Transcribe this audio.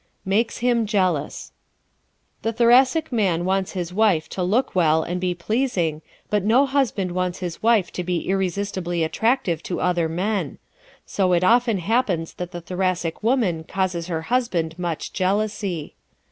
Makes Him Jealous ¶ The Thoracic man wants his wife to look well and be pleasing but no husband wants his wife to be irresistibly attractive to other men. So it often happens that the Thoracic woman causes her husband much jealousy.